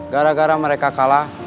gara gara mereka kalah